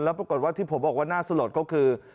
แล้วปรากฏว่าที่ผมบอกว่าน่าสลดก็คือ